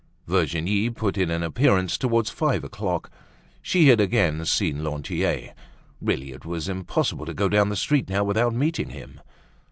Virginie put in an appearance towards five o'clock. She had again seen Lantier; really, it was impossible to go down the street now without meeting him.